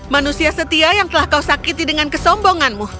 manusia setia yang telah kau sakiti dengan kesombonganmu